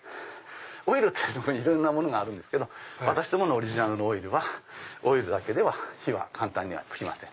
オイルっていろんなものがあるんですけど私どものオリジナルのオイルはオイルだけでは火は簡単には付きません。